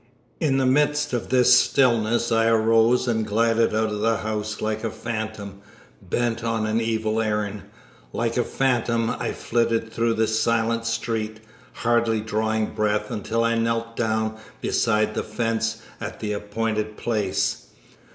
In the midst of this stillness I arose and glided out of the house like a phantom bent on an evil errand; like a phantom. I flitted through the silent street, hardly drawing breath until I knelt down beside the fence at the appointed place.